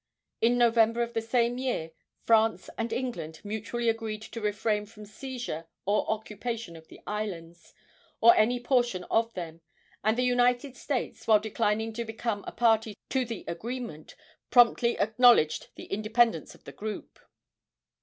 In November of the same year France and England mutually agreed to refrain from seizure or occupation of the islands, or any portion of them, and the United States, while declining to become a party to the agreement, promptly acknowledged the independence of the group.